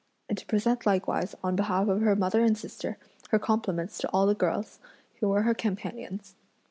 and to present likewise, on behalf of her mother and sister, her compliments to all the girls, who were her companions.